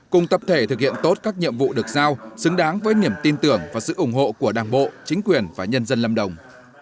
cùng tập thể thực hiện tốt các nhiệm vụ được giao xứng đáng với niềm tin tưởng và sự ủng hộ của đảng bộ chính quyền và nhân dân lâm đồng